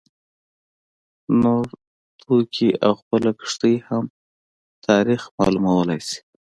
نور توکي او خپله کښتۍ هم تاریخ معلومولای شي